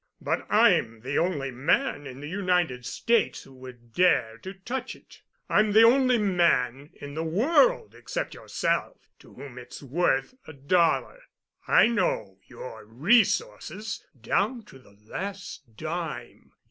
But I'm the only man in the United States who would dare to touch it. I'm the only man in the world, except yourself, to whom it's worth a dollar. I know your resources down to the last dime.